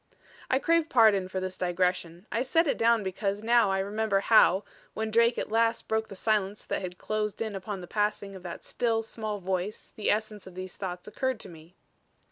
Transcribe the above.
I crave pardon for this digression. I set it down because now I remember how, when Drake at last broke the silence that had closed in upon the passing of that still, small voice the essence of these thoughts occurred to me.